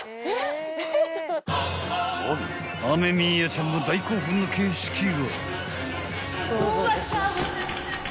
［雨宮ちゃんも大興奮の景色が］